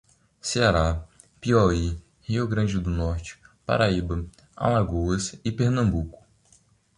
Ceará, Piauí, Rio grande do Norte, Paraíba, Alagoas e Pernambuco